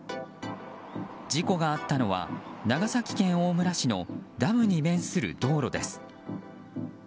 事故があったのは長崎県大村市のダムに面する道路です。